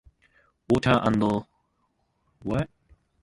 Water and minerals are important natural resources.